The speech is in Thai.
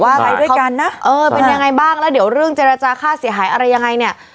ว่าเป็นยังไงบ้างแล้วเดี๋ยวเรื่องเจรจาค่าเสียหายอะไรยังไงเนี่ย